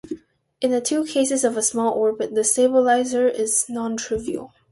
In the two cases of a small orbit, the stabilizer is non-trivial.